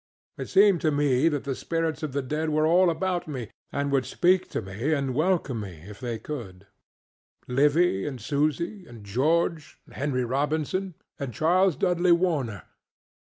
It seemed to me that the spirits of the dead were all about me, and would speak to me and welcome me if they could: Livy, and Susy, and George, and Henry Robinson, and Charles Dudley Warner.